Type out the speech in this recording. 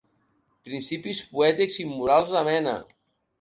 Principis poètics immorals de mena.